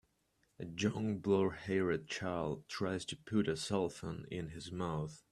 A young blondhaired child tries to put a cellphone in his mouth.